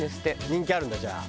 人気あるんだじゃあ。